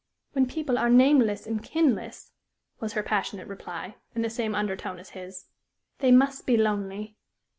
"When people are nameless and kinless," was her passionate reply, in the same undertone as his, "they must be lonely."